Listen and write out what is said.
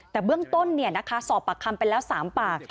แต่เบื้องต้นเนี่ยนะคะสอบปากคำเป็นแล้ว๓ปาก